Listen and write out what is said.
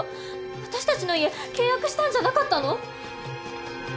私たちの家契約したんじゃなかったの！？